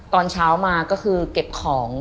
ตอนเช้ามาก็คือเก็บของ